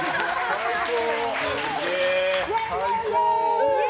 最高！